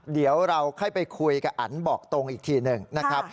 เดี๋ยวเราค่อยไปคุยกับอันบอกตรงอีกทีหนึ่งนะครับ